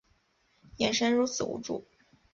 眼神如此无助